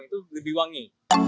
jadi daun itu lebih wangi